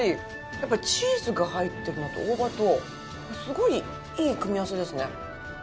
やっぱりチーズが入ってるのと大葉とすごいいい組合せですね。